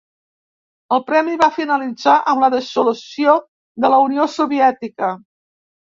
El premi va finalitzar amb la dissolució de la Unió Soviètica.